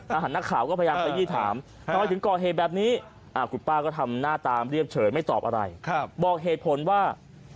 หันนักข่าวก็พยายามขยี้ถามทำไมถึงก่อเหตุแบบนี้คุณป้าก็ทำหน้าตามเรียบเฉยไม่ตอบอะไรบอกเหตุผลว่า